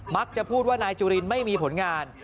พูดว่านายจุรินไม่มีผลงาน